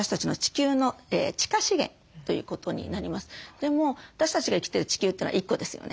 でも私たちが生きている地球というのは１個ですよね。